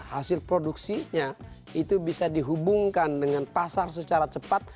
hasil produksinya itu bisa dihubungkan dengan pasar secara cepat